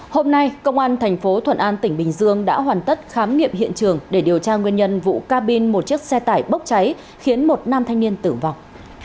hôm nay công an tp thuận an tỉnh bình dương đã hoàn tất khám nghiệm hiện trường để điều tra nguyên nhân vụ ca bin một chiếc xe tải bốc cháy khiến một nam thanh niên tử vọng